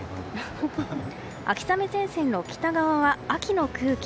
秋雨前線の北側は、秋の空気。